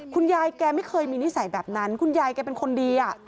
คุณยายแกไม่เคยมีนิสัยแบบนั้นคุณยายแกเป็นคนดี